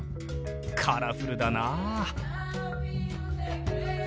カラフルだなあ。